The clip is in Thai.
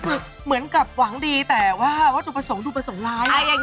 คือเหมือนกับหวังดีแต่ว่าโดรปส่งร้าย